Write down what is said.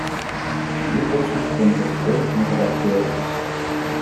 In dit opzicht ben ik het volledig met de rapporteur eens.